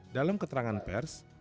dalam keterangan pers